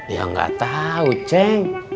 ya gak tau ceng